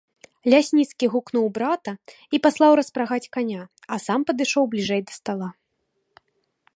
Лясніцкі гукнуў брата і паслаў распрагаць каня, а сам падышоў бліжэй да стала.